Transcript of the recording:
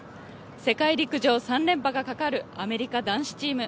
世界陸上３連覇がかかるアメリカ男子チーム。